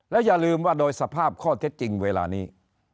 อย่าลืมว่าโดยสภาพข้อเท็จจริงเวลานี้